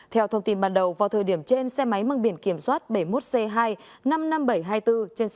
theo thông tin ban đầu vào thời điểm trên xe máy măng biển kiểm soát bảy mươi một c hai năm mươi năm nghìn bảy trăm hai mươi bốn